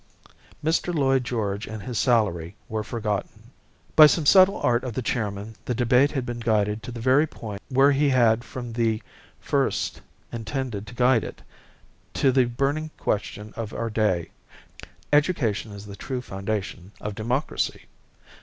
Mr. Lloyd George and his salary were forgotten. By some subtle art of the chairman the debate had been guided to the very point where he had from the first intended to guide it to the burning question of our day education as the true foundation of democracy!